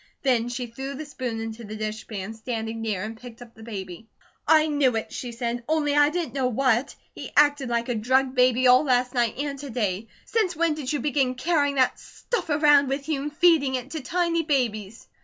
Then she threw the spoon into the dishpan standing near and picked up the baby. "I knew it!" she said. "Only I didn't know what. He acted like a drugged baby all last night and to day. Since when did you begin carrying that stuff around with you, and feeding it to tiny babies?"